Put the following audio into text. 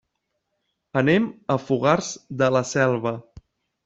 Anem a Fogars de la Selva.